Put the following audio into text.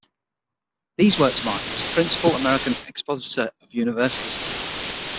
These works mark him as the principal American expositor of Universalism.